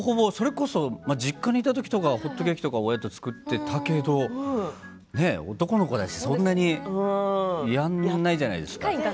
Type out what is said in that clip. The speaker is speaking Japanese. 実家にいた時のホットケーキとか親とを作っていたけど男の子だしそんなにやんないじゃないですか。